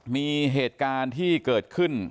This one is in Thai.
มีเหตุการณ์ที่เกิดขึ้น